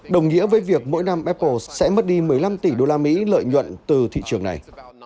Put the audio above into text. đồng nghĩa với việc mỗi năm apple sẽ mất đi một mươi năm tỷ đô la mỹ lợi nhuận từ thị trường này